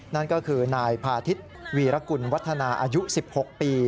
นั่นก็คือนายพาทิศวีรกุลวัฒนาอายุ๑๖ปี